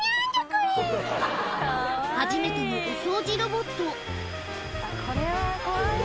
初めてのお掃除ロボット。